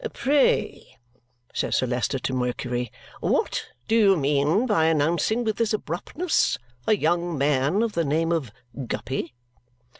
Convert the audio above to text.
"Pray," says Sir Leicester to Mercury, "what do you mean by announcing with this abruptness a young man of the name of Guppy?"